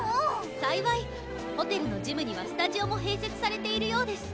幸いホテルのジムにはスタジオも併設されているようです。